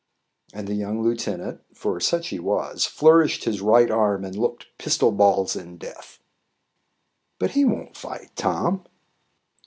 And the young lieutenant, for such he was, flourished his right arm and looked pistol balls and death. "But he won't fight, Tom."